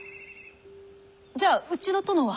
じゃあうちの殿は？